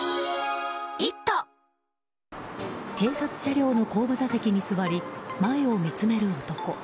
警察車両の後部座席に座り前を見つめる男。